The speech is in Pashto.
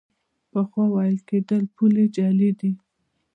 پخوا ویل کېدل پولې جعلي دي.